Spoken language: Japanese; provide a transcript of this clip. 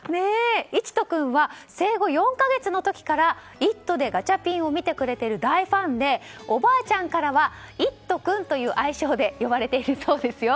いちと君は生後４か月の時から「イット！」でガチャピンを見てくれている大ファンでおばあちゃんからはいっと君という愛称で呼ばれているそうですよ。